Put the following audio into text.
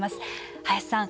林さん